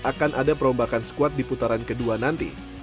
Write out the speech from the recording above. akan ada perombakan squad di putaran kedua nanti